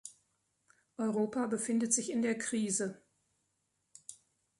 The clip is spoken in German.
Europa befindet sich in der Krise.